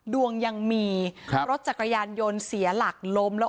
ดวงยังมีครับรถจักรยานยนต์เสียหลักล้มแล้ว